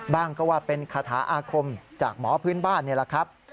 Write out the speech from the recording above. บ้างก็ว่าเป็นคาถาอาคมจากหมอพื้นบ้านนี่แหละครับ